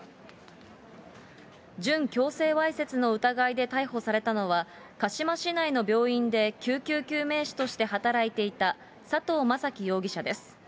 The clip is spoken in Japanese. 準強制わいせつの疑いで逮捕されたのは、鹿嶋市内の病院で救急救命士として働いていた佐藤将樹容疑者です。